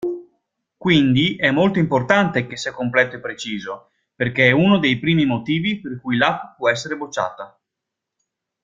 Quindi è molto importante che sia completo e preciso perché è uno dei primi motivi per cui l'app può essere bocciata.